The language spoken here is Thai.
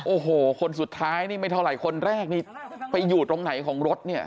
โอ้โหคนสุดท้ายนี่ไม่เท่าไหร่คนแรกนี่ไปอยู่ตรงไหนของรถเนี่ย